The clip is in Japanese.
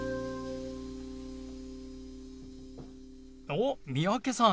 おっ三宅さん